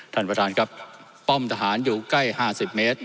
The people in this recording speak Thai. ท่านประธานครับป้อมทหารอยู่ใกล้๕๐เมตร